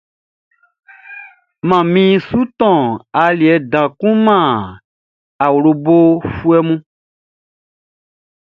Manmi su tɔn aliɛ dan kun man awlobofuɛ mun.